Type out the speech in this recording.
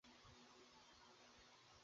অসুন্দরী মেয়েদের বন্ধুটন্ধু থাকে না।